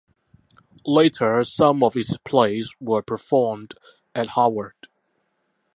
Later some of its plays were performed at Harvard.